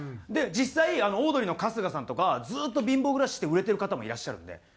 実際オードリーの春日さんとかずっと貧乏暮らしして売れてる方もいらっしゃるんで。